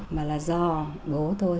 mà là do bố tôi